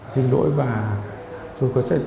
xin lỗi và tôi gửi lời đến tất cả mọi người